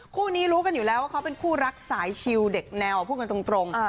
คู่นี้รู้กันอยู่แล้วว่าเขาเป็นคู่รักสายชิวเด็กแนวพูดกันตรง